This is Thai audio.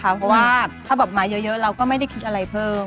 เพราะว่าถ้าบอกมาเยอะเราก็ไม่ได้คิดอะไรเพิ่ม